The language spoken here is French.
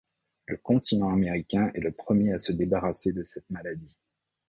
Le continent américain est le premier à se débarrasser de cette maladie.